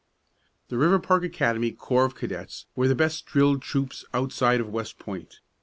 The Riverpark Academy corps of cadets were the best drilled troops outside of West Point.